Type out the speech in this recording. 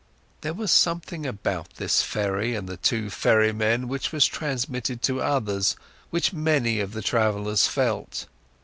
There was something about this ferry and the two ferrymen which was transmitted to others, which many of the travellers felt.